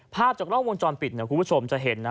ภาพจากกล้องวงจรปิดคุณผู้ชมจะเห็นนะ